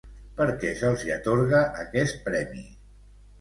Per què se'ls hi atorga aquest premi?